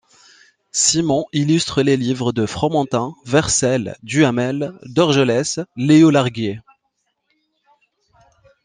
Simon illustre les livres de Fromentin, Vercel, Duhamel, Dorgelès, Léo Larguier.